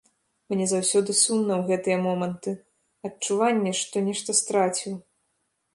Мне заўсёды сумна ў гэтыя моманты, адчуванне, што нешта страціў.